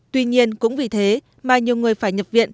tuy nhiên cũng vì thế mà nhiều người phải nhập viện